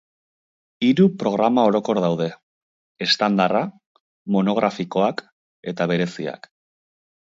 Hiru programa orokor daude: estandarra, monografikoak eta bereziak.